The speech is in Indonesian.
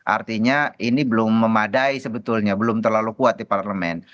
artinya ini belum memadai sebetulnya belum terlalu kuat di parlemen